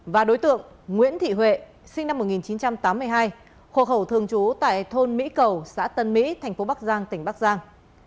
và đối tượng nguyễn thị huệ sinh năm một nghìn chín trăm tám mươi hai hộ khẩu thường trú tại thôn mỹ cầu xã tân mỹ thành phố bắc giang tỉnh bắc giang